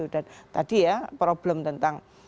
dan tadi ya problem tentang